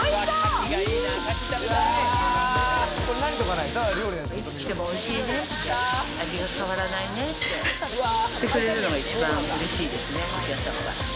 いつ来ても、おいしいねって味が変わらないねって言ってくれるのが一番嬉しいですね。